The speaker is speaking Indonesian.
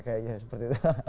kayaknya seperti itu